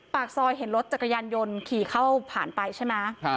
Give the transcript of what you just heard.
ปากซอยเห็นรถจักรยานยนต์ขี่เข้าผ่านไปใช่ไหม